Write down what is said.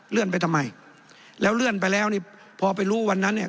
ไปทำไมแล้วเลื่อนไปแล้วนี่พอไปรู้วันนั้นเนี่ย